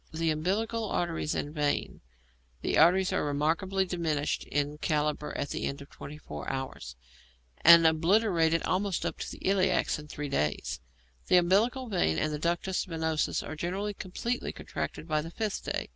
The umbilical arteries and vein: the arteries are remarkably diminished in calibre at the end of twenty four hours, and obliterated almost up to the iliacs in three days; the umbilical vein and the ductus venosus are generally completely contracted by the fifth day.